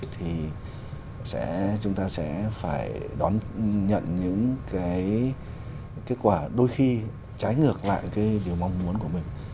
thì chúng ta sẽ phải đón nhận những cái kết quả đôi khi trái ngược lại cái điều mong muốn của mình